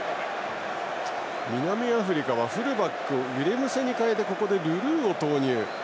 南アフリカはフルバックをウィレムセに代えてルルーを投入。